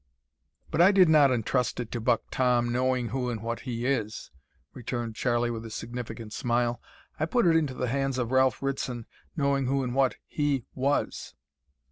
"But I did not intrust it to Buck Tom, knowing who and what he is," returned Charlie, with a significant smile, "I put it into the hands of Ralph Ritson, knowing who and what he was."